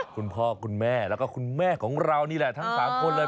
คุณพ่อคุณแม่แล้วก็คุณแม่ของเรานี่แหละทั้ง๓คนเลย